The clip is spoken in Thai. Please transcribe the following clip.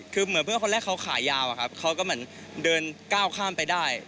คือเหมือนเพื่อนคนแรกเขาขายาวอะครับเขาก็เหมือนเดินก้าวข้ามไปได้